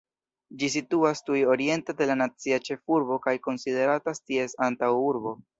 Ĝi situas tuj oriente de la nacia ĉefurbo kaj konsideratas ties antaŭurbo.